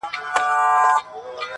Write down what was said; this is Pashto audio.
هنر خاموش زر پرستي وه پکښې,